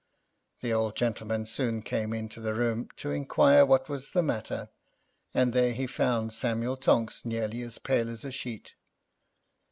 The old gentleman soon came into the room to inquire what was the matter, and there he found Samuel Tonks nearly as pale as a sheet.